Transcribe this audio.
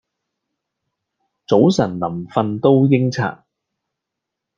早晨臨訓都應刷